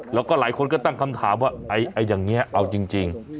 แล้วก็หลายคนก็ตั้งคำถามว่าอย่างนี้เอาจริง